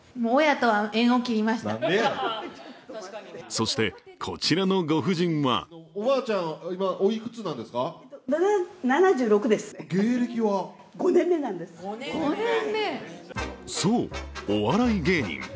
そして、こちらのご婦人はそう、お笑い芸人。